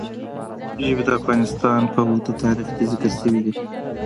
ژبې د افغانستان په اوږده تاریخ کې ذکر شوي دي.